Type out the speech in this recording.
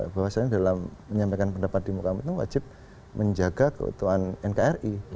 bahwasanya dalam menyampaikan pendapat di muka kita wajib menjaga keutuhan nkri